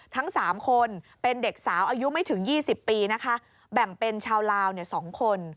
ทั้ง๓คนเป็นเด็กสาวอายุไม่ถึง๒๐ปีนะคะแบ่งเป็นชาวลาว๒คน